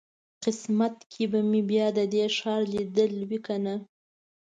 قسمت کې به مې بیا د دې ښار لیدل وي کنه.